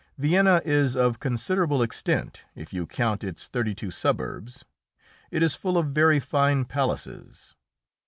Vienna is of considerable extent, if you count its thirty two suburbs. It is full of very fine palaces.